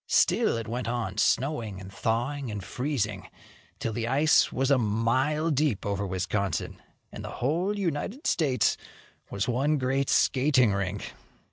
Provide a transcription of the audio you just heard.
Still it went on, snowing and thawing and freezing till the ice was a mile deep over Wisconsin, and the whole United States was one great skating rink.